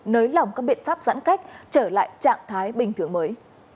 nới lỏng các biện pháp giãn cách trở lại trạng thái bình thường mới